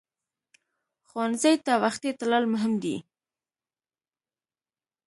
ښوونځی ته وختي تلل مهم دي